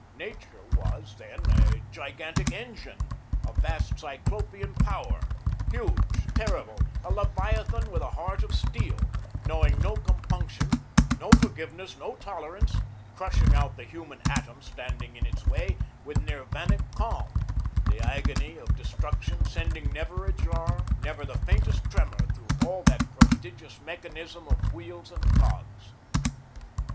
Nature was, then, a gigantic engine, a vast cyclopean power, huge, terrible, a leviathan with a heart of steel, knowing no compunction, no forgiveness, no tolerance; crushing out the human atom standing in its way, with nirvanic calm, the agony of destruction sending never a jar, never the faintest tremour through all that prodigious mechanism of wheels and cogs.